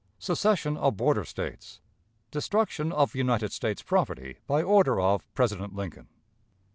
Secession of Border States. Destruction of United States Property by Order of President Lincoln.